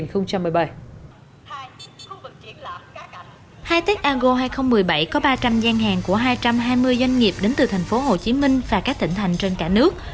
hitech argo hai nghìn một mươi bảy có ba trăm linh gian hàng của hai trăm hai mươi doanh nghiệp đến từ tp hcm và các tỉnh thành trên cả nước